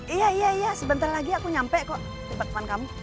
iya iya sebentar lagi aku nyampe kok teman kamu